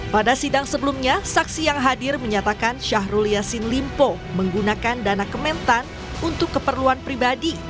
pada sidang sebelumnya saksi yang hadir menyatakan syahrul yassin limpo menggunakan dana kementan untuk keperluan pribadi